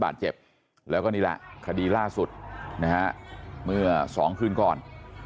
บาดเจ็บแล้วก็นี่แหละคดีล่าสุดนะฮะเมื่อสองคืนก่อน